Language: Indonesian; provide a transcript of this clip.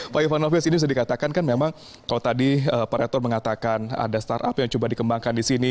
pak ivan novis ini bisa dikatakan kan memang kalau tadi pak rektor mengatakan ada startup yang coba dikembangkan di sini